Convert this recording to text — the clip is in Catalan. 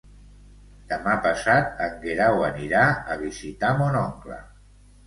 Demà passat en Guerau anirà a visitar mon oncle.